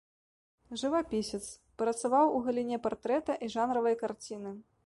Жывапісец, працаваў у галіне партрэта і жанравай карціны.